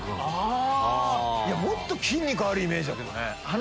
もっと筋肉あるイメージだけどね。